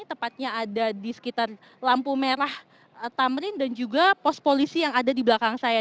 tepatnya ada di sekitar lampu merah tamrin dan juga pos polisi yang ada di belakang saya